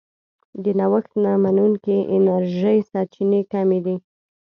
د نوښت نه منونکې انرژۍ سرچینې کمې دي.